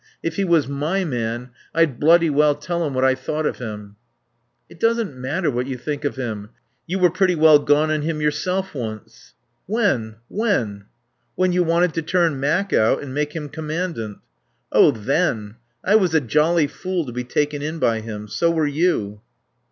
If he was my man I'd bloody well tell him what I thought of him." "It doesn't matter what you think of him. You were pretty well gone on him yourself once." "When? When?" "When you wanted to turn Mac out and make him commandant." "Oh, then I was a jolly fool to be taken in by him. So were you."